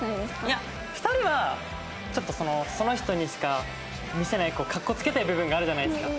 いや２人はちょっとそのその人にしか見せない格好付けたい部分があるじゃないですか。